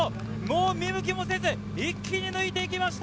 見向きもせず一気に抜いてきました。